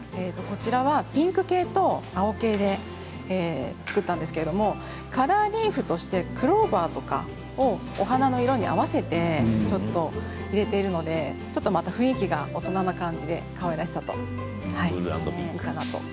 ピンク系と青系で作ったんですけれどカラーリーフとしてクローバーとかをお花の色に合わせて入れているのでちょっとまた雰囲気が大人な感じでかわいらしさがありますね。